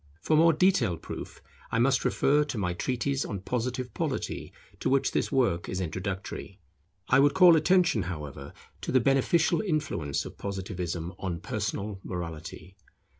For more detailed proof, I must refer to my treatise on Positive Polity, to which this work is introductory. I would call attention, however, to the beneficial influence of Positivism on personal morality.